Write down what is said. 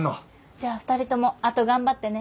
じゃあ２人ともあと頑張ってね。